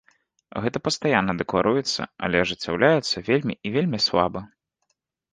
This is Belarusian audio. Гэта пастаянна дэкларуецца, але ажыццяўляецца вельмі і вельмі слаба.